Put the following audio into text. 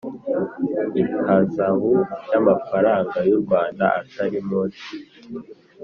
ihazabu y amafaranga y u Rwanda atari munsi